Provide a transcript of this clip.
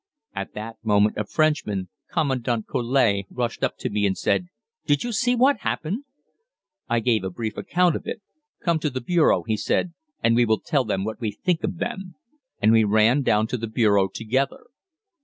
At that moment a Frenchman, Commandant Collet, rushed up to me and said, "Did you see what happened?" I gave a brief account of it. "Come to the bureau," he said, "and we will tell them what we think of them;" and we ran down to the bureau together.